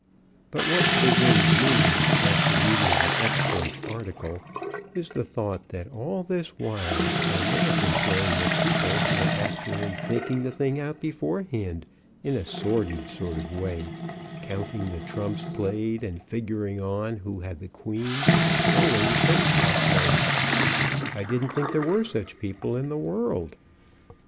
But what chagrins me, after reading the expert's article, is the thought that all this while I may have been playing with people who were actually thinking the thing out beforehand in a sordid sort of way, counting the trumps played and figuring on who had the queen or where the ten spot lay. I didn't think there were such people in the world.